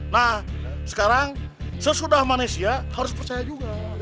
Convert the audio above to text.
nah sekarang sesudah manusia harus percaya juga